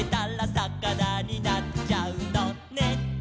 「さかなになっちゃうのね」